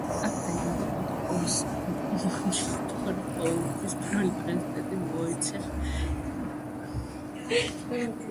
აქ დაიბადა პოსტკომუნისტური პოლონეთის პირველი პრეზიდენტი ვოიცეხ იარუზელსკი.